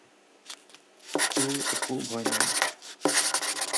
তোৰ একো ভয় নাই